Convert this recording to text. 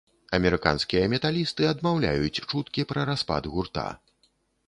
Амерыканскія металісты адмаўляюць чуткі пра распад гурта.